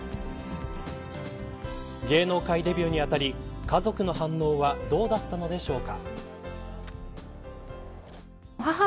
芸能界デビューに当たり家族の反応はどうだったのでしょうか。